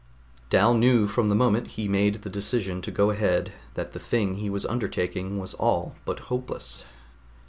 Dal knew from the moment he made the decision to go ahead that the thing he was undertaking was all but hopeless.